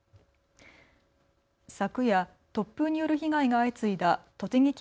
昨夜、突風による被害が相次いだ栃木県